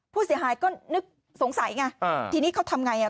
ผู้เสียหายก็นึกสงสัยไงทีนี้เขาทำอย่างไร